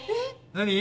何？